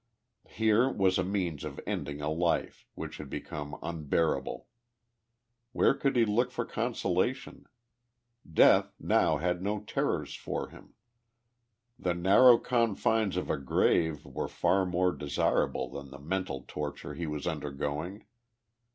Here was a means of ending a life, which had become unbearable. Where could he look for consola tion ? Death now had no terrors for him ! The narrow confines of a grave were far more desirable than the mental torture lie was undergoing.